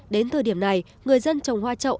đến thời điểm này người dân trồng hoa trậu